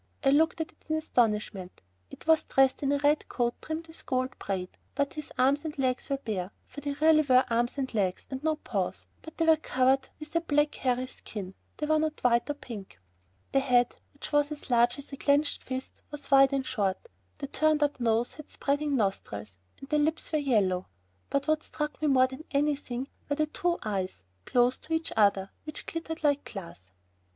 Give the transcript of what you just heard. I looked at it in astonishment. It was dressed in a red coat trimmed with gold braid, but its arms and legs were bare, for they really were arms and legs, and not paws, but they were covered with a black, hairy skin, they were not white or pink. The head which was as large as a clenched fist was wide and short, the turned up nose had spreading nostrils, and the lips were yellow. But what struck me more than anything, were the two eyes, close to each other, which glittered like glass.